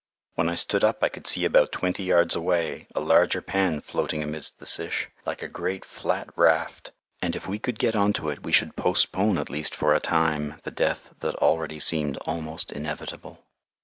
When I stood up, I could see about twenty yards away a larger pan floating amidst the sish, like a great flat raft, and if we could get on to it we should postpone at least for a time the death that already seemed almost inevitable.